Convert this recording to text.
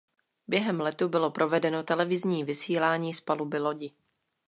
Během letu bylo provedeno televizní vysílání z paluby lodi.